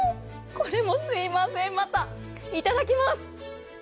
これも、すみません、またいただきます。